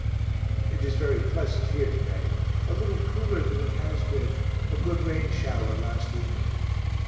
It is very pleasant here to day, a little cooler than it has been a good rain shower last evening.